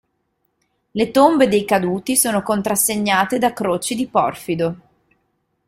Le tombe dei caduti sono contrassegnate da croci di porfido.